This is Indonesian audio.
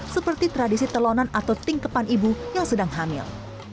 seperti tradisi telonan atau tingkepan ibu yang sedang hamil